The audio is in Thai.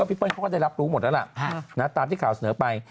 พี่เปิ้ลเขาก็ได้รับรู้หมดแล้วล่ะตามที่ข่าวเสนอไป